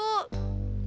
bukan salah buat gue